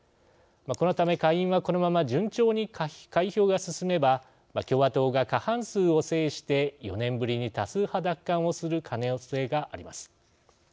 このため、下院はこのまま順調に開票が進めば共和党が過半数を制して４年ぶりに多数派奪還をする可能性があります。